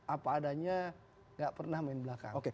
apa adanya nggak pernah main belakang